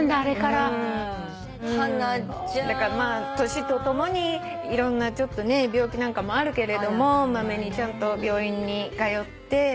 年とともにいろんな病気なんかもあるけどまめにちゃんと病院に通って。